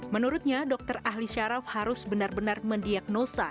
menurutnya dokter ahli syaraf harus benar benar mendiagnosa